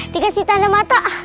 dikasih tanda mata